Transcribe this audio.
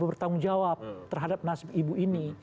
tidak ada tanggung jawab terhadap nasib ibu ini